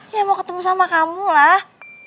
ya mau ketemu sama kamu lah